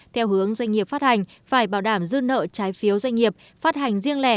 theo hướng doanh nghiệp phát hành phải bảo đảm dư nợ trái phiếu doanh nghiệp phát hành riêng lẻ